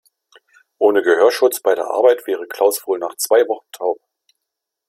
Ohne Gehörschutz bei der Arbeit wäre Klaus wohl nach zwei Wochen taub.